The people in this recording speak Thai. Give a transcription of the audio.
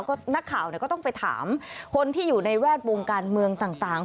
ก็นักข่าวก็ต้องไปถามคนที่อยู่ในแวดวงการเมืองต่าง